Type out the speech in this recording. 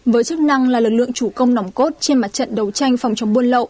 với chức năng là lực lượng chủ công nòng cốt trên mặt trận đấu tranh phòng chống buôn lậu